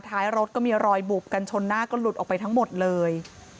ท้ายรถก็มีรอยบุบกันชนหน้าก็หลุดออกไปทั้งหมดเลย